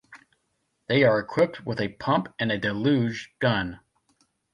They are equipped with a pump and a deluge gun.